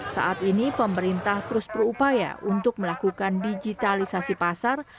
saat ini pemerintah terus berupaya untuk melakukan digitalisasi pasar